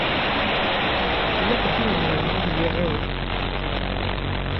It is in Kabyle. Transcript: Yella ḥedd i izemren ad y-iɛiwen?